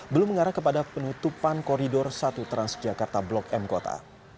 belum mengarah kepada penutupan koridor satu transjakarta blok m kota